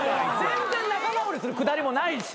全然仲直りするくだりもないし。